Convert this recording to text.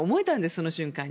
その瞬間に。